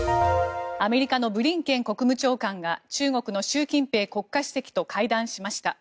アメリカのブリンケン国務長官が中国の習近平国家主席と会談しました。